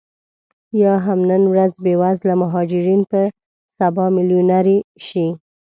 یا هم نن ورځ بې وزله مهاجرین به سبا میلیونرې شي